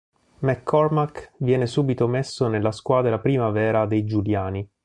McCormack viene subito messo nella squadra primavera dei giuliani.